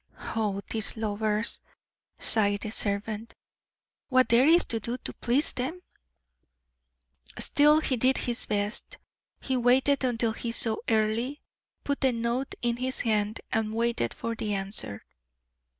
"Oh, these lovers," sighed the servant. "What there is to do to please them!" Still, he did his best. He waited until he saw Earle, put the note in his hand, and waited for the answer.